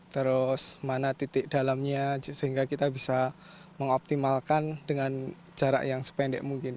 terus mana titik dalamnya sehingga kita bisa mengoptimalkan dengan jarak yang sependek mungkin